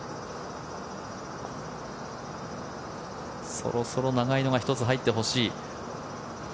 そろそろ長いのが１つ入ってほしい。